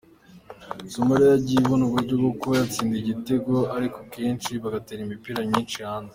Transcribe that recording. Somalia yagiye ibona uburyo bwo kuba yatsinda igitego ariko kenshi bagatera imipira myinshi hanze.